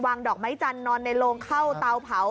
ดอกไม้จันทร์นอนในโลงเข้าเตาเผา